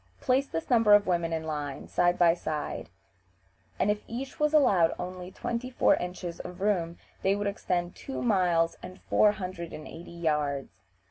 Place this number of women in line, side by side, and if each was allowed only twenty four inches of room, they would extend two miles and four hundred and eighty yards.